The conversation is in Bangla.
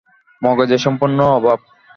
মগজের সম্পূর্ণ অভাব।